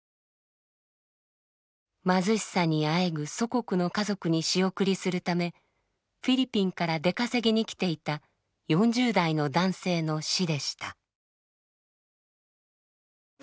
貧しさにあえぐ祖国の家族に仕送りするためフィリピンから出稼ぎに来ていた４０代の男性の死でした。